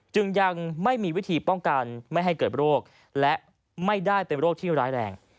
จึงยังไม่มีวิธีป้องกันไม่ให้เกิดโรคและไม่ได้เป็นโรคที่ร้ายแรง